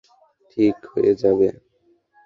ঠিক হয়ে যাবে।